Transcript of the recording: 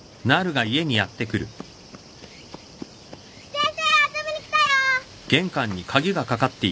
先生遊びに来たよ！